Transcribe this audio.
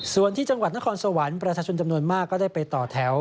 ส่วนที่จังหวัดนครสวรรค์ประชาชนจำนวนมากก็ได้ไปต่อแถว